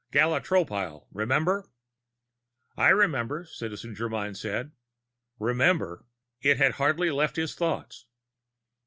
Gala Tropile, remember?" "I remember," Citizen Germyn said. Remember! It had hardly left his thoughts.